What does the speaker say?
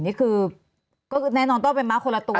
นี่คือก็แน่นอนต้องเป็นม้าคนละตัว